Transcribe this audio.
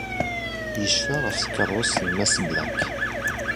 Yecfa ɣef tkeṛṛust n Mass Black.